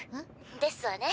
ですわね。